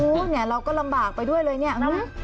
โอ้โหเนี่ยเราก็ลำบากไปด้วยเลยเนี่ยนะ